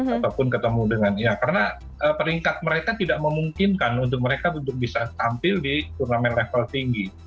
ataupun ketemu dengan ya karena peringkat mereka tidak memungkinkan untuk mereka untuk bisa tampil di turnamen level tinggi